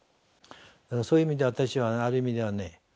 そういう意味で私はある意味ではね